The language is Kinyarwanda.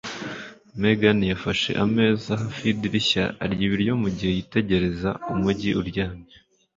Megan yafashe ameza hafi yidirishya arya ibiryo mugihe yitegereza umujyi uryamye.